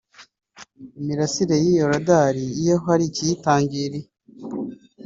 Imirasiye y’iyo radari iyo hari ikiyitangiriye